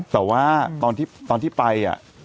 แต่ว่าตอนที่ไป